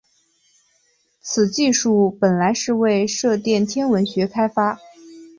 此技术本来是为射电天文学开发。